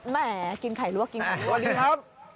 แหม่กินไข่ลวกกินไข่ลวก